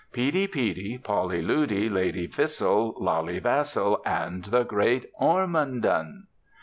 "Peedy Peedy. Polly Loody. Lady Fissle. Lally Vassal. And the Great Ormondon."